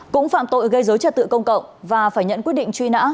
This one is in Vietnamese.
cũng phạm tội gây dối trật tự công cộng và phải nhận quyết định truy nã